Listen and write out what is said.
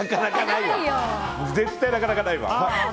絶対なかなかないよ。